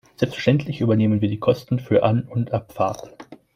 Selbstverständlich übernehmen wir die Kosten für An- und Abfahrt.